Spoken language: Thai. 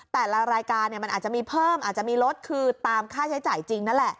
แต่ละรายการมันอาจจะมีเพิ่มอาจจะมีลดคือตามค่าใช้จ่ายจริงนั่นแหละ